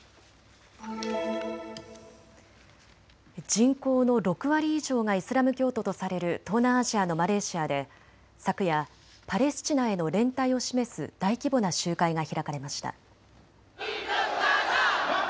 人口の６割以上がイスラム教徒とされる東南アジアのマレーシアで昨夜、パレスチナへの連帯を示す大規模な集会が開かれました。